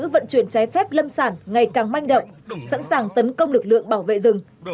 vận chuyển trái phép lâm sản ngày càng manh động sẵn sàng tấn công lực lượng bảo vệ rừng